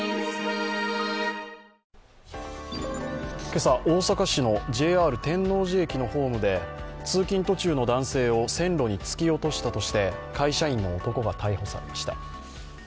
今朝大阪市のＪＲ天王寺駅のホームで通勤途中の男性を線路に突き落としたとして、会社員の男が逮捕されました。